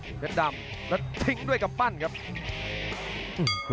อื้อหือจังหวะขวางแล้วพยายามจะเล่นงานด้วยซอกแต่วงใน